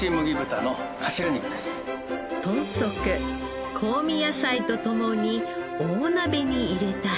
豚足香味野菜とともに大鍋に入れたら。